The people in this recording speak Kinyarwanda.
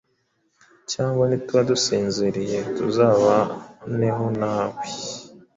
cyangwa nituba dusinziriye, tuzabaneho na we.”